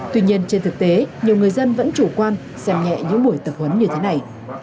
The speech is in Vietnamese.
tuy nhiên trên thực tế nhiều người dân vẫn chủ quan xem nhẹ những buổi tập huấn như thế này